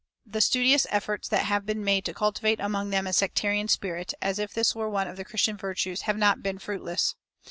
The studious efforts that have been made to cultivate among them a sectarian spirit, as if this were one of the Christian virtues, have not been fruitless.